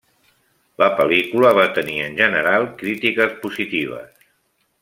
La pel·lícula va tenir en general crítiques positives.